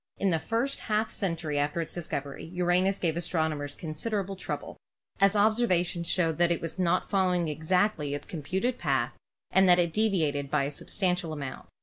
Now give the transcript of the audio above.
In the first half century after its discovery Uranus gave astronomers con siderable trouble, as observations showed that it was not following exactly its computed path and that it deviated by a substantial amount.